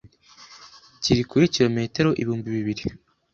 kiri kuri kirometero ibihumbi bibiri